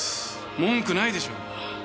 文句ないでしょうが。